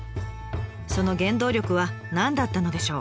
その原動力は何だったのでしょう？